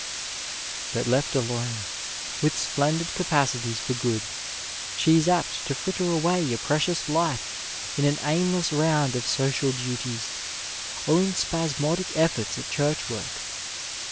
But left alone, with splendid capacities for good, she is apt to fritter away a precious life in an aimless round of social duties, or in spasmodic efforts at Church work.